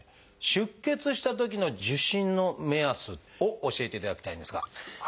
出血したときの受診の目安を教えていただきたいんですが。